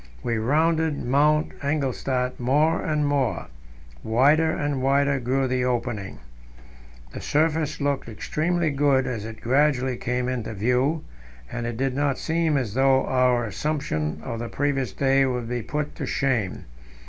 We rounded Mount Engelstad more and more; wider and wider grew the opening. The surface looked extremely good as it gradually came into view, and it did not seem as though our assumption of the previous day would be put to shame.